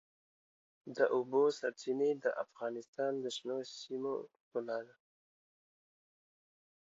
د اوبو سرچینې د افغانستان د شنو سیمو ښکلا ده.